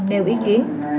nêu ý kiến